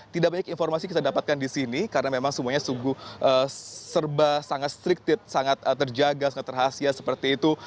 tidak banyak informasi kita dapatkan di sini karena memang semuanya sungguh serba sangat stricted sangat terjaga sangat rahasia seperti itu